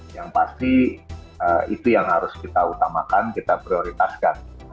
yang pasti itu yang harus kita utamakan kita prioritaskan